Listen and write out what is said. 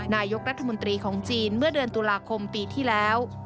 นายกรัฐมนตรีของจีนเมื่อเดือนตุลาคมปีที่แล้ว